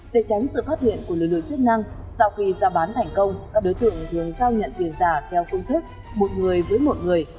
để tránh sự phát hiện của lực lượng chức năng sau khi giao bán thành công các đối tượng thường giao nhận tiền giả theo phương thức một người với một người